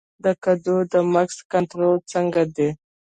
د کدو د مګس کنټرول څنګه دی؟